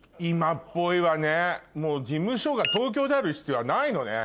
事務所が東京である必要はないのね。